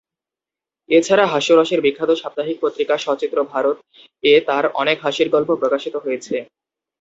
এছাড়া হাস্যরসের বিখ্যাত সাপ্তাহিক পত্রিকা 'সচিত্র ভারত' -এ তার অনেক হাসির গল্প প্রকাশিত হয়েছে।